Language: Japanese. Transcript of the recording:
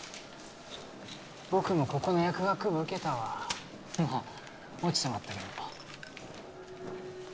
僕もここの薬学部受けたわまっ落ちてまったけどな